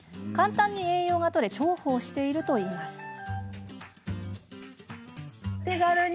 簡単に栄養がとれ重宝しているといいます。